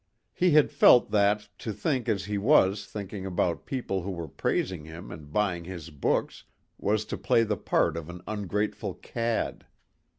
He had felt that to think as he was thinking about people who were praising him and buying his books, was to play the part of an ungrateful cad.